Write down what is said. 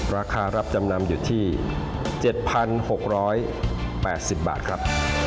ราคารับจำนำอยู่ที่๗๖๘๐บาทครับ